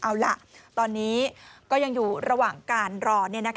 เอาล่ะตอนนี้ก็ยังอยู่ระหว่างการรอ